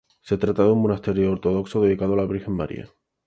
Se trata de un monasterio ortodoxo dedicado a la Virgen María.